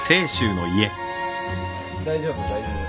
大丈夫大丈夫。